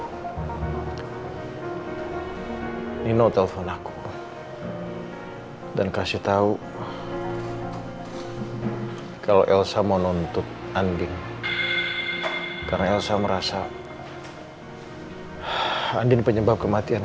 ini no telpon aku dan kasih tahu kalau elsa mau nuntut andi karena elsa merasa andin penyebab kematian